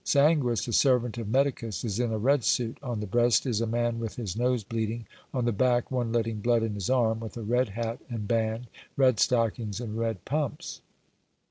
Sanguis, the servant of Medicus, is in a red suit; on the breast is a man with his nose bleeding; on the back, one letting blood in his arm; with a red hat and band, red stockings and red pumps.